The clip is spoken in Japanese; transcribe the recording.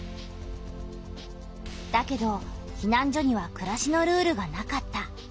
だけどひなん所にはくらしのルールがなかった。